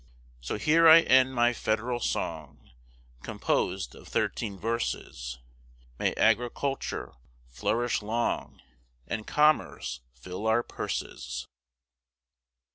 So here I end my Federal song, Composed of thirteen verses; May agriculture flourish long, And commerce fill our purses.